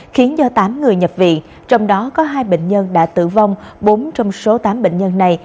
khiến cho tám người nhập viện trong đó có hai bệnh nhân đã tử vong bốn trong số tám bệnh nhân này